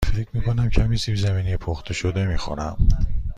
فکر می کنم کمی سیب زمینی پخته شده می خورم.